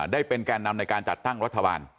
ได้เป็นแก่นำในการจัดตั้งรัฐบาล